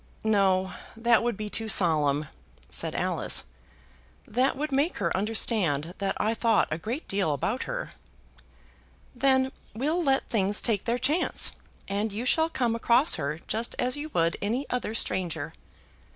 "No; that would be too solemn," said Alice. "That would make her understand that I thought a great deal about her." "Then we'll let things take their chance, and you shall come across her just as you would any other stranger."